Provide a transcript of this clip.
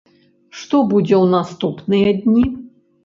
Што будзе ў наступныя дні?